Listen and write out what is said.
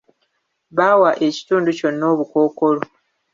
Baawa ekitundu kyonna obukookolo.